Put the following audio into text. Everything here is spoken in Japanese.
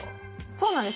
そうなんです。